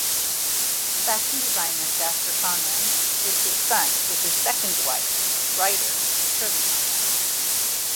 Fashion designer Jasper Conran is his son with his second wife, writer Shirley Conran.